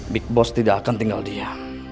big boss tidak akan tinggal dia